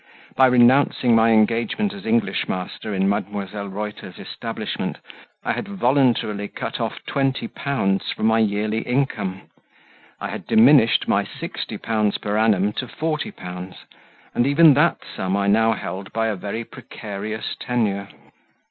By renouncing my engagement as English master in Mdlle. Reuter's establishment, I had voluntarily cut off 20l. from my yearly income; I had diminished my 60l. per annum to 40l., and even that sum I now held by a very precarious tenure.